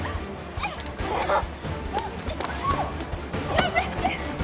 やめて！